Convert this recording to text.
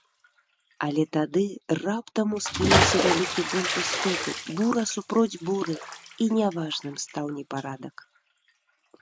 Але тады раптам ускінуўся вялікі бунт істоты, бура супроць буры, і няважным стаў непарадак.